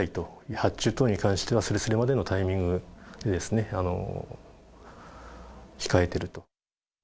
発注等に関してはすれすれまでのタイミングで控えてる。